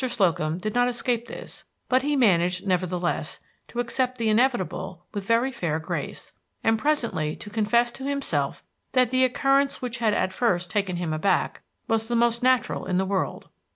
Slocum did not escape this, but he managed, nevertheless, to accept the inevitable with very fair grace, and presently to confess to himself that the occurrence which had at first taken him aback was the most natural in the world.